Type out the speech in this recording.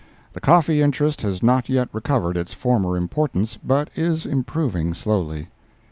The coffee interest has not yet recovered its former importance, but is improving slowly.